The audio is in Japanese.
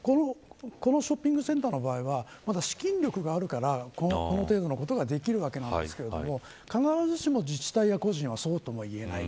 このショッピングセンターの場合まだ資金力があるからこの程度のことができるわけですけど必ずしも自治体や個人はそうともいえない。